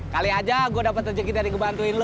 kali aja gue dapat terjaga dari ngebantuin lu